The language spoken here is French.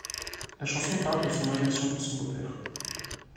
La chanson parle de son aversion pour son beau-père.